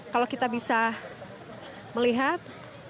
kalau kita bisa melihat